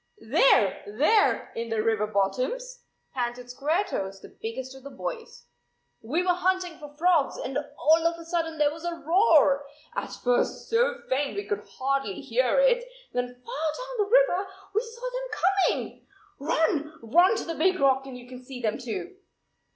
"There, there, in the river bottom," panted Squaretoes, the biggest of the boys. "We were hunting for frogs and all of a 2 4 . sudden there was a roar, at first so faint we could hardly hear it, then far down the river we saw them coming ! Run, run to the big rock, and you can see them too."